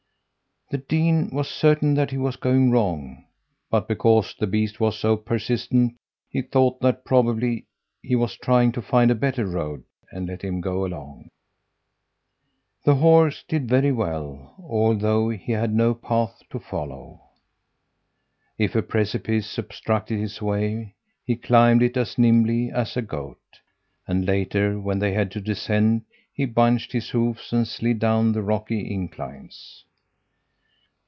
"The dean was certain that he was going wrong, but because the beast was so persistent he thought that probably he was trying to find a better road, and let him go along. "The horse did very well, although he had no path to follow. If a precipice obstructed his way, he climbed it as nimbly as a goat, and later, when they had to descend, he bunched his hoofs and slid down the rocky inclines.